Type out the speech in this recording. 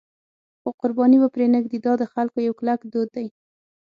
خو قرباني به پرې نه ږدي، دا د خلکو یو کلک دود دی.